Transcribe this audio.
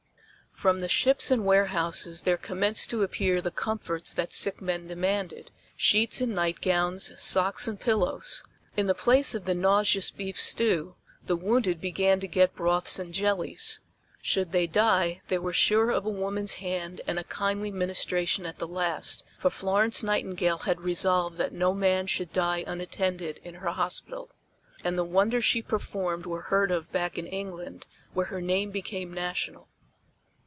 From the ships and warehouses there commenced to appear the comforts that sick men demanded sheets and nightgowns, socks and pillows; in the place of the nauseous beef stew, the wounded began to get broths and jellies. Should they die they were sure of a woman's hand and a kindly ministration at the last, for Florence Nightingale had resolved that no man should die unattended in her hospital. And the wonders she performed were heard of back in England, where her name became national.